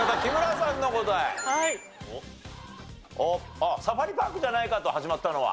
あっサファリパークじゃないかと始まったのは。